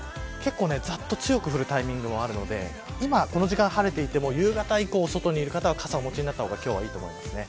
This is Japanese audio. ざっと強く降るタイミングもあるので今この時間晴れていても夕方以降は傘をお持ちになった方がいいと思います。